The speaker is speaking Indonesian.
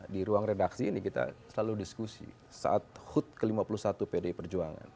di ruang redaksi ini kita selalu diskusi saat hut ke lima puluh satu pdi perjuangan